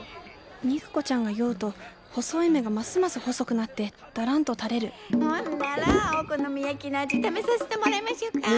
肉子ちゃんが酔うと細い目がますます細くなってだらんと垂れるほんならお好み焼きの味試させてもらいましょか！